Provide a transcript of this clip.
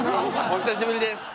お久しぶりです。